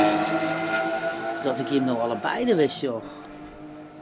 Dat ik jim no allebeide wer sjoch!